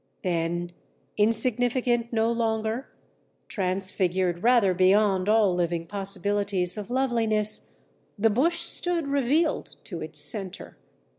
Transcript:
"Then, insignificant no longer, transfigured rather beyond all living possibilities of loveliness, the bush stood revealed to its centre.